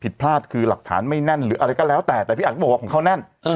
ผิดพลาดคือหลักฐานไม่แน่นหรืออะไรก็แล้วแต่แต่พี่อัดก็บอกว่าของเขาแน่น